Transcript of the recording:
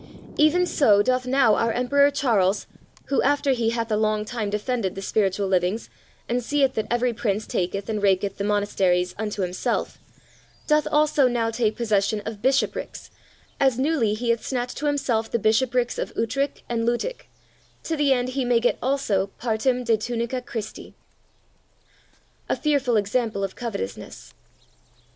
Even so doth now our Emperor Charles, who, after he hath a long time defended the spiritual livings, and seeth that every Prince taketh and raketh the monasteries unto himself, doth also now take possession of bishoprics, as newly he hath snatched to himself the bishoprics of Utrich and Luttich, to the end he may get also partem de tunica Christi. A fearful Example of Covetousness.